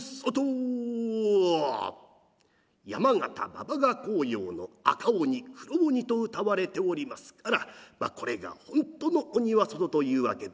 山県馬場が甲陽の赤鬼黒鬼とうたわれておりますからこれが本当の「鬼は外」というわけでございます。